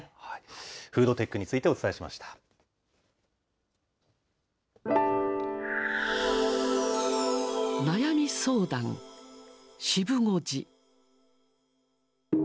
フードテックについてお伝えしま悩み相談、渋護寺。